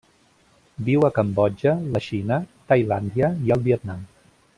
Viu a Cambodja, la Xina, Tailàndia i el Vietnam.